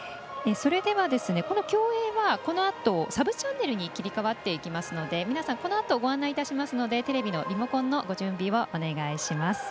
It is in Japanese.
それでは競泳はこのあとサブチャンネルに切り替わっていきますので皆さん、このあとご案内いたしますのでテレビのリモコンのご準備をお願いします。